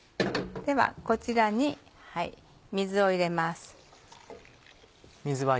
こちらに水を入れます。